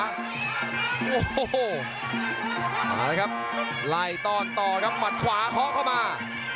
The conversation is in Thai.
เอาละครับไล่ตอนต่อครับหมัดขวาเคาะเข้ามา